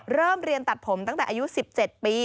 เริ่มเรียนตัดผมตั้งแต่อายุ๑๗ปี